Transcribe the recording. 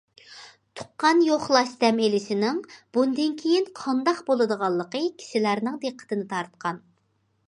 تۇغقان يوقلاش دەم ئېلىشىنىڭ بۇندىن كېيىن قانداق بولىدىغانلىقى كىشىلەرنىڭ دىققىتىنى تارتقان.